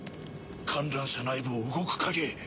観覧車内部を動く影。